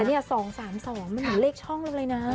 แต่เนี่ย๒๓๒มันมีเลขช่องเลยนะ